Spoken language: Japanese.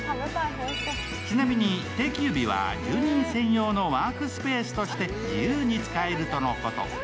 ちなみに定休日は、住人専用のワークスペースとして自由に使えるとのこと。